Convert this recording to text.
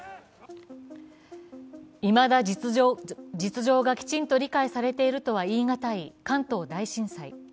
いまだ実情がきちんと理解されているとは言い難い関東大震災。